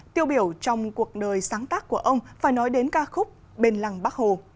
tiêu biểu trong cuộc đời sáng tác của ông phải nói đến ca khúc bên lăng bắc hồ